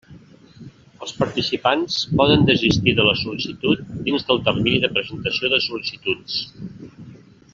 Els participants poden desistir de la sol·licitud dins del termini de presentació de sol·licituds.